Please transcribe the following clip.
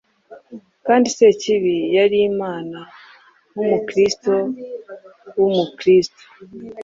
Kandi Sekibi yari Imana, nkumukristu wumukristo